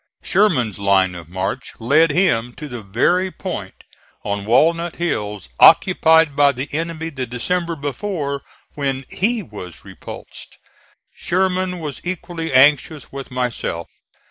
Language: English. Sherman's line of march led him to the very point on Walnut Hills occupied by the enemy the December before when he was repulsed. Sherman was equally anxious with myself.